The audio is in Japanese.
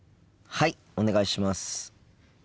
はいお願いします。